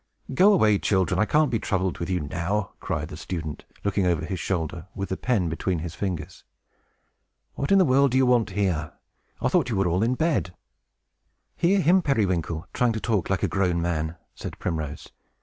"Go away, children! I can't be troubled with you now!" cried the student, looking over his shoulder, with the pen between his fingers. "What in the world do you want here? I thought you were all in bed!" "Hear him, Periwinkle, trying to talk like a grown man!" said Primrose.